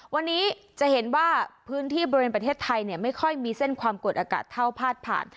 วันนี้จะเห็นว่าพื้นที่บริเวณประเทศไทยไม่ค่อยมีเส้นความกดอากาศเท่าพาดผ่าน